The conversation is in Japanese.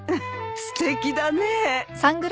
すてきだね。